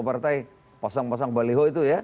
partai pasang pasang baliho itu ya